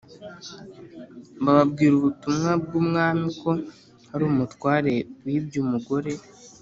bababwira ubutumwa bwumami ko hari umutware wibye umugore